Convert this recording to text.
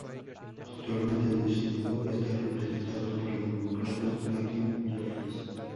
Actualmente el distrito está representado por la Demócrata Hakeem Jeffries.